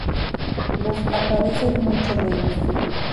Los aparecen mucho menos.